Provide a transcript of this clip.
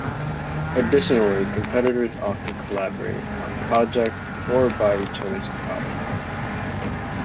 Additionally, competitors often collaborate on projects, or buy each other's products.